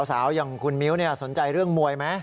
สาวอย่างคุณมิ้วสนใจเรื่องมวยไหม